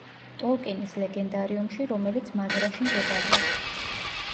ტოლკინის ლეგენდარიუმში, რომელიც მაზრაში მდებარეობს.